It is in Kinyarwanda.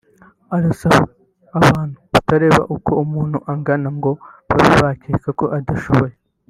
Arasaba abantu kutareba uko umuntu angana ngo babe bakeka ko adashoboye